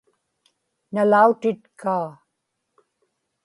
nalautitkaa